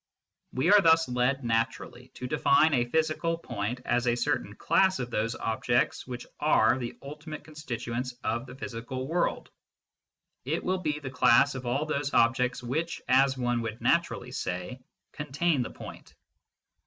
We are thus led naturally to define a physical point as a certain class of those objects which are the ultimate constituents of the physical world. It will be the class of all those objects which, as one would naturally say, contain the point.